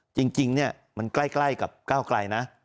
จริงเนี่ยมันใกล้กับก้าวไกลนะ